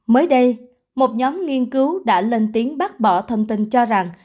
mới đây một nhóm nghiên cứu đã lên tiếng bác bỏ thông tin cho rằng